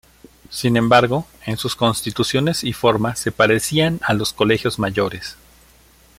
Sin embargo, en sus constituciones y forma se parecían a los colegios mayores.